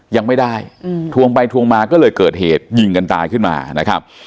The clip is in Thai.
ยังไม่ได้ทวงไปทวงมาก็เลยเกิดเหตุยิงกันตายขึ้นมานะครับ